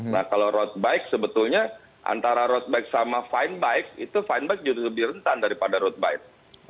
nah kalau road bike sebetulnya antara road bike sama fine bike itu fine bike juga lebih rentan daripada road bike